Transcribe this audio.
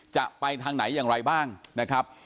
จะไปทางไหนอย่างไรบ้างนะครับ